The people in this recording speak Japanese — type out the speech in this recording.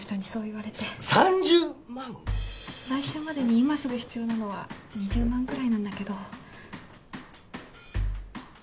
来週までに今すぐ必要なのは２０万ぐらいなんだけど。